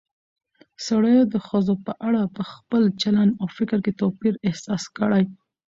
سړيو د ښځو په اړه په خپل چلن او فکر کې توپير احساس کړى